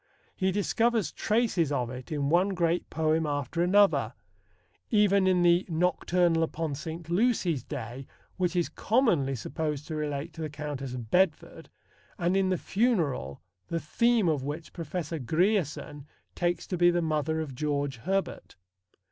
He discovers traces of it in one great poem after another even in the Nocturnal upon St. Lucy's Day, which is commonly supposed to relate to the Countess of Bedford, and in The Funeral, the theme of which Professor Grierson takes to be the mother of George Herbert.